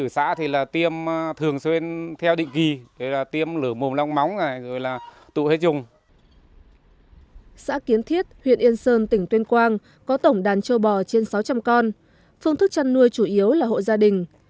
xã kiến thiết huyện yên sơn tỉnh tuyên quang có tổng đàn châu bò trên sáu trăm linh con phương thức chăn nuôi chủ yếu là hộ gia đình